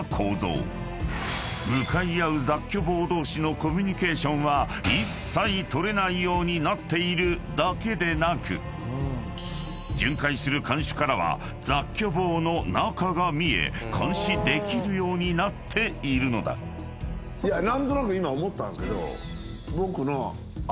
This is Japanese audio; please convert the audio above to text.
［向かい合う雑居房同士のコミュニケーションは一切取れないようになっているだけでなく巡回する看守からは雑居房の中が見え監視できるようになっているのだ］と思ったんですよ。